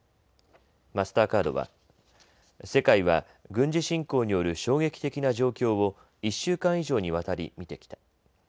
マスターカードは世界は軍事侵攻による衝撃的な状況を１週間以上にわたり見てきた。